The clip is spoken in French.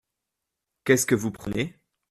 Qu’est-ce que vous prenez ?